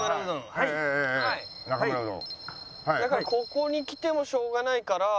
ここに来てもしょうがないから。